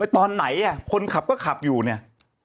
ตอนไหนคนขับก็ขับอยู่เนี่ย